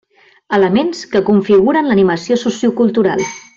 Elements que configuren l'animació sociocultural.